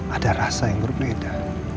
ada rasa yang berbeda